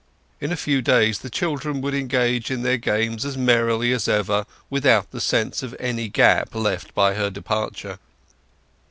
In a few days the children would engage in their games as merrily as ever, without the sense of any gap left by her departure.